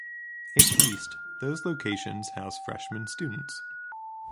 If leased, those locations house freshman students.